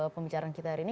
pembicaraan kita hari ini